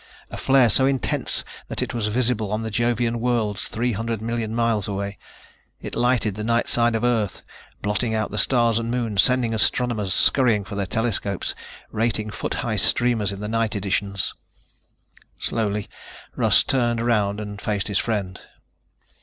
A flare so intense that it was visible on the Jovian worlds, three hundred million miles away. It lighted the night side of Earth, blotting out the stars and Moon, sending astronomers scurrying for their telescopes, rating foot high streamers in the night editions. Slowly Russ turned around and faced his friend.